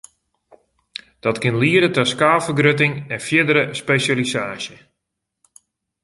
Dat kin liede ta skaalfergrutting en fierdere spesjalisaasje.